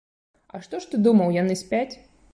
А што ж ты думаў, яны спяць?